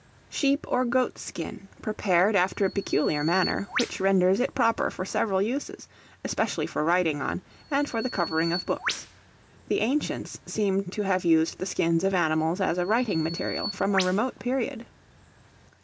Sheep or goat's skin, prepared after a peculiar manner, which renders it proper for several uses, especially for writing on, and for the covering of books. The ancients seem to have used the skins of animals as a writing material, from a remote period.